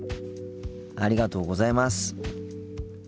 ありがとうございます。